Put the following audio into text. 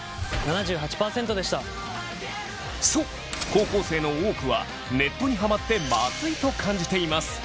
そう高校生の多くはネットにハマってマズイと感じています。